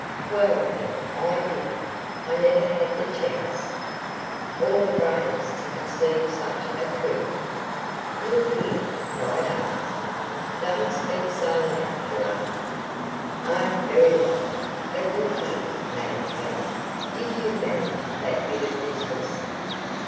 "Well, then, I didn't. I never had the chance." "Or the brains to conceive such a coup." "Look here," cried Artis. "Don't speak so loud, Gerard." "Oh, very well. But look here, Madam Clever, did you manage that bit of business?"